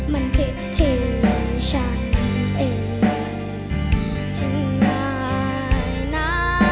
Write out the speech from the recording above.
มันผิดที่ฉันเองที่ไหนนะ